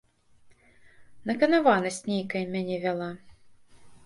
Наканаванасць нейкая мяне вяла.